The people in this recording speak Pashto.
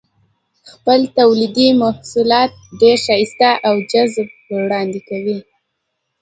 خپل تولیدي محصولات ډېر ښایسته او جذاب وړاندې کوي.